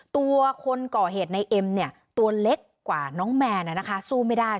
ตัวคนก่อเหตุในเอ็มเนี่ยตัวเล็กกว่าน้องแมนสู้ไม่ได้